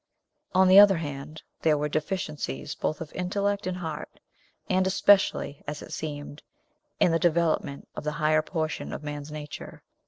On the other hand, there were deficiencies both of intellect and heart, and especially, as it seemed, in the development of the higher portion of man's nature.